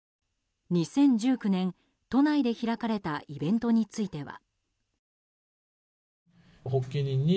２０１９年、都内で開かれたイベントについては。